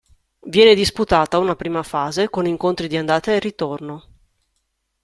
Viene disputata una Prima Fase con incontri di andata e ritorno.